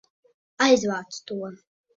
Aizvāc to!